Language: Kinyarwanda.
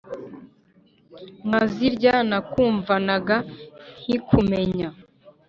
nka zirya nakumvanaga nkikumenya